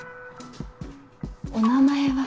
お名前は。